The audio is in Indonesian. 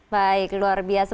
baik luar biasa